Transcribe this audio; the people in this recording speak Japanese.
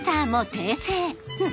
うん！